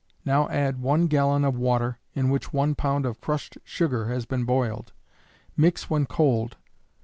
Now add one gallon of water, in which one pound of crushed sugar has been boiled. Mix when cold.